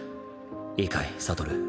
いいかい悟。